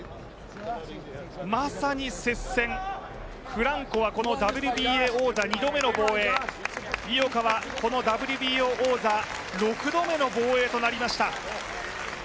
まさに接戦、フランコはこのＷＢＡ王座２度目の防衛、井岡はこのＷＢＯ王座６度目の防衛となりました。